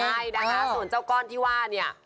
ใช่นะคะส่วนเจ้าก้อนที่ว่าเนี่ย